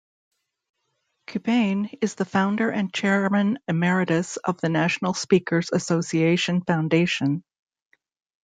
Qubein is the Founder and Chairman Emeritus of the National Speakers Association Foundation.